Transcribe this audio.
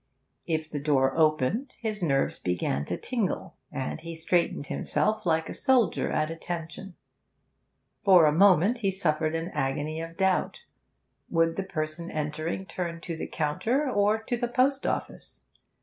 If the door opened his nerves began to tingle, and he straightened himself like a soldier at attention. For a moment he suffered an agony of doubt. Would the person entering turn to the counter or to the post office?